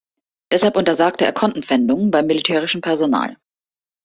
Deshalb untersagte er Kontenpfändungen beim militärischen Personal.